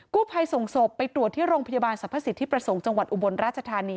ภัยส่งศพไปตรวจที่โรงพยาบาลสรรพสิทธิประสงค์จังหวัดอุบลราชธานี